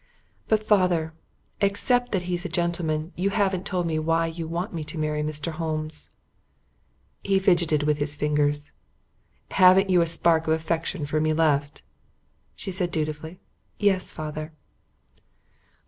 "But, father, except that he's a gentleman, you haven't told me why you want me to marry Mr. Holmes." He fidgeted with his fingers. "Haven't you a spark of affection for me left?" She said dutifully, "Yes, father."